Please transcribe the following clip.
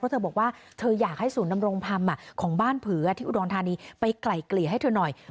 เธอบอกว่าเธออยากให้ศูนย์ดำรงธรรมของบ้านเผือที่อุดรธานีไปไกล่เกลี่ยให้เธอหน่อย